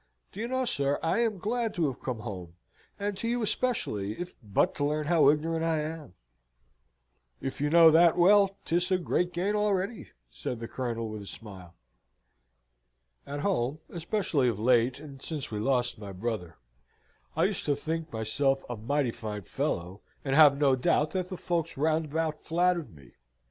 Do you know, sir, I am glad to have come home, and to you especially, if but to learn how ignorant I am." "If you know that well, 'tis a great gain already," said the Colonel, with a smile. "At home, especially of late, and since we lost my brother, I used to think myself a mighty fine fellow, and have no doubt that the folks round about flattered me.